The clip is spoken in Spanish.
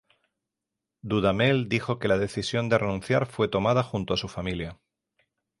Dudamel dijo que la decisión de renunciar fue tomada junto a su familia.